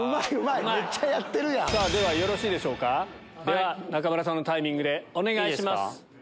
ではよろしいでしょうか中村さんのタイミングでお願いします。